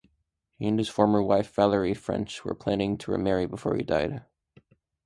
He and his former wife Valerie French were planning to remarry before he died.